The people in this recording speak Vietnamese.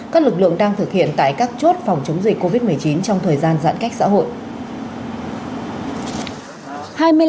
các lực lượng đang thực hiện tại các chốt phòng chống dịch covid một mươi chín trong thời gian giãn cách xã hội